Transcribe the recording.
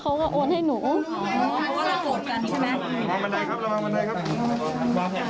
ข้างหย่างด้วยนะครับ